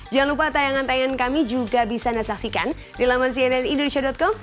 jangan lupa tayangan tayangan kami juga bisa anda saksikan di laman cnnindonesia com